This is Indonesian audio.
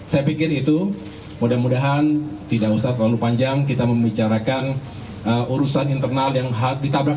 saya pikir itu mudah mudahan tidak usah terlalu panjang kita membicarakan urusan internal yang ditabrak